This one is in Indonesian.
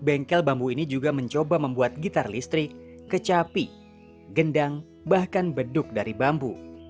bengkel bambu ini juga mencoba membuat gitar listrik kecapi gendang bahkan beduk dari bambu